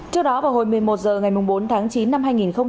trước đó vào hồi một mươi một h ngày bốn tháng chín năm hai nghìn một mươi chín